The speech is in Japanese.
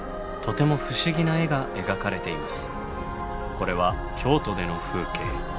これは京都での風景。